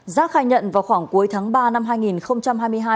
giác khai nhận vào khoảng cuối tháng ba năm hai nghìn hai mươi hai